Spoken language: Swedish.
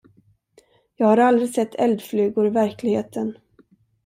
Jag har aldrig sett eldflugor i verkligheten.